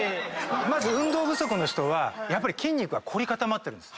まず運動不足の人はやっぱり筋肉が凝り固まってる。